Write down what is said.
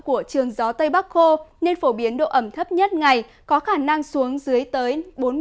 của trường gió tây bắc khô nên phổ biến độ ẩm thấp nhất ngày có khả năng xuống dưới tới bốn mươi năm năm mươi